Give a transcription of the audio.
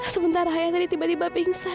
sementara ayah tadi tiba tiba pingsan